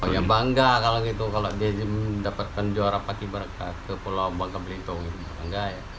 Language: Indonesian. yang bangga kalau dia mendapatkan juara paski beraka ke pulau bangka belitung